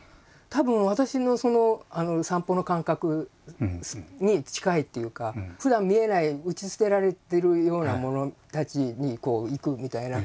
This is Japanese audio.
たぶん私の散歩の感覚に近いっていうかふだん見えない打ち捨てられてるようなものたちにいくみたいな。